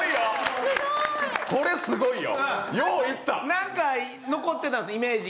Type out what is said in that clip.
なんか残ってたんですイメージが。